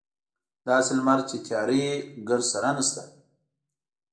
داسې لمر چې تیاره وي ګردسره نشته.